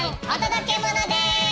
お届けモノです！